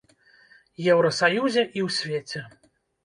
Еўрасаюзе і ў свеце.